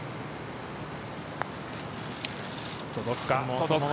届くか？